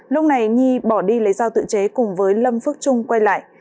lúc này nhi bỏ đi lấy giao tự chế cùng với lâm phước trung quay lại